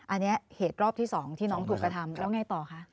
อันนี้เหตุรอบที่๒ที่น้องถูกกระทำแล้วไงต่อคะ